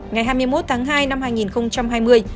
ngày hai mươi một tháng hai năm hai nghìn hai mươi